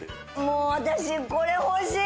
もう私これ欲しい！